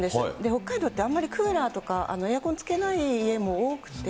北海道って、あんまりクーラーとかエアコンつけない家も多くて。